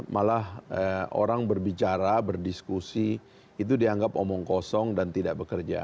malah orang berbicara berdiskusi itu dianggap omong kosong dan tidak bekerja